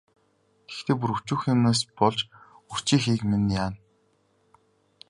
Тэгэхдээ бүр өчүүхэн юмнаас болж үрчийхийг минь яана.